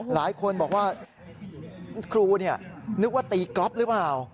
หลายคนบอกว่าครูนึกว่าตีก๊อฟหรือเปล่า